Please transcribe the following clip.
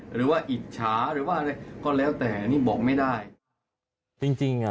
หรือว่าอิจฉาหรือว่าอะไรก็แล้วแต่นี่บอกไม่ได้จริงจริงอ่ะ